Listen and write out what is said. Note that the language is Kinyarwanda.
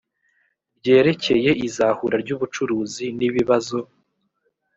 ryerekeye izahura ry ubucuruzi n ibibazo